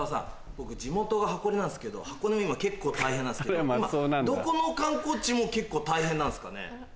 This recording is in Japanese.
僕地元が箱根なんですけど箱根も今結構大変なんですけど今どこの観光地も結構大変なんすかね？